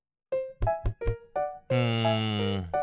うん。